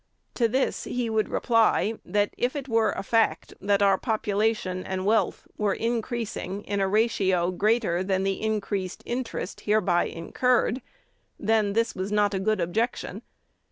To this he would reply, that, if it were a fact that our population and wealth were increasing in a ratio greater than the increased interest hereby incurred, then this was not a good objection.